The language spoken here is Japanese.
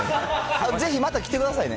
ぜひ、また来てくださいね。